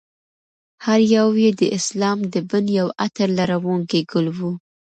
هر یو یې د اسلام د بڼ یو عطر لرونکی ګل و.